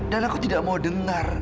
dan aku tidak mau dengar